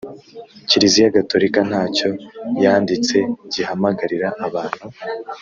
kiliziya gatolika ntacyo yanditse gihamagarira abantu